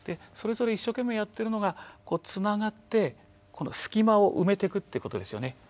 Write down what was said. それぞれ一生懸命やってるのがつながってこの隙間を埋めてくってことですよね。